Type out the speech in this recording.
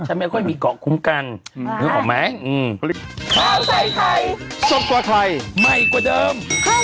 ฉันไม่ค่อยมีเกาะคุ้มกันอืมนึกออกไหมอืม